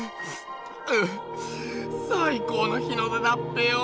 ううっ最高の日の出だっぺよ。